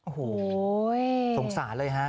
โอ้โหสงสารเลยฮะ